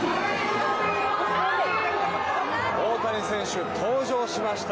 大谷選手、登場しました！